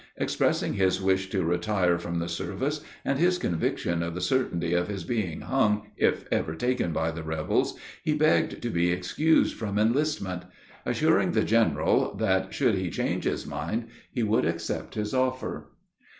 Expressing his wish to retire from the service, and his conviction of the certainty of his being hung, if ever taken by the rebels, he begged to be excused from enlistment; assuring the general, that should he change his mind, he would accept his offer.